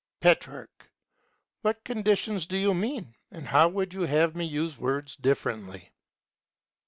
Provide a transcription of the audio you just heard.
Petrarch. What conditions do you mean, and how would you have me use words differently?